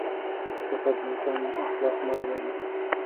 سفر د انسان اخلاق معلوموي.